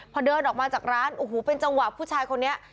พอเดินออกมาจากร้านโอ้โหเป็นจังหวะผู้ชายคนนี้